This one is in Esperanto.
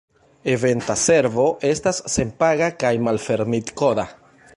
Eventa Servo estas senpaga kaj malfermitkoda.